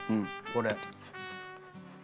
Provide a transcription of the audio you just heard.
これ。